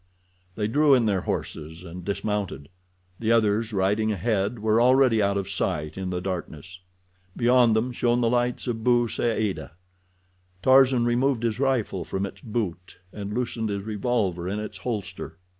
They drew in their horses and dismounted. The others riding ahead were already out of sight in the darkness. Beyond them shone the lights of Bou Saada. Tarzan removed his rifle from its boot and loosened his revolver in its holster.